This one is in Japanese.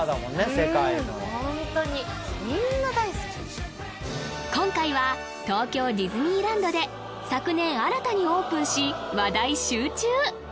世界のホントに今回は東京ディズニーランドで昨年新たにオープンし話題集中！